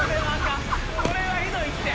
これはひどいって！